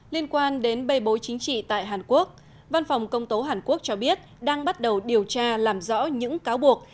liên quan đến bê bối chính trị tại hàn quốc văn phòng công tố hàn quốc cho biết đang bắt đầu điều tra làm rõ những cáo buộc